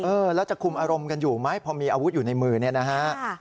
แล้วจะคุมอารมณ์กันอยู่ไหมพอมีอาวุธอยู่ในมือเนี่ยนะฮะ